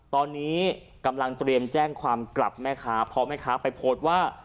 ตอนนี้กำลังเตรียมแจ้งความกลับแม่ค้าเพราะแม่ค้าไปโพสต์ว่า